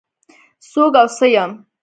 څوک او څه يم؟